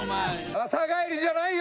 朝帰りじゃないよ